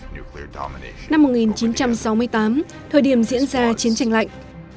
năm một nghìn chín trăm sáu mươi tám thời điểm diễn ra chiến tranh lạnh